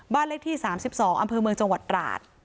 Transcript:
บ้านเลขที่สามสิบสองอำเภอเมืองจังหวัดตราด